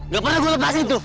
gak pernah gue lepasin tuh